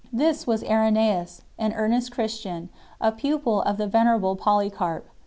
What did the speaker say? This was Irenjeus 4 , an earnest Christian 5 , a pupil of the venerable Polycarp.